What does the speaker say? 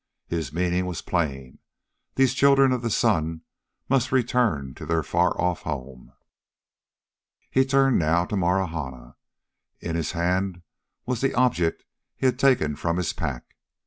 His meaning was plain these children of the sun must return to their far off home. He turned now to Marahna. In his hand was the object he had taken from his pack.